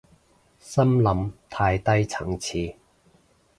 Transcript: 心諗太低層次